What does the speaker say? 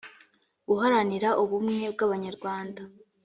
guharanira ubumwe bw’abanyarwanda